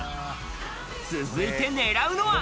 続いて狙うのは。